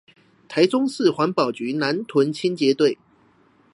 臺中市環保局南屯清潔隊